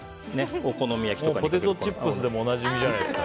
ポテトチップスでもおなじみじゃないですか。